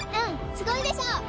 すごいでしょ？